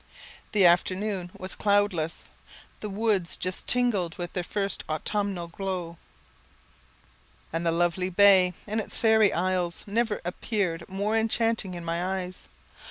The afternoon was cloudless, the woods just tinged with their first autumnal glow, and the lovely bay, and its fairy isles, never appeared more enchanting in my eyes.